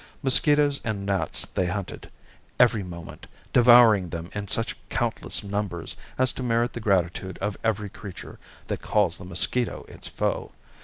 Mosquitoes and gnats they hunted every moment, devouring them in such countless numbers as to merit the gratitude of every creature that calls the mosquito its foe.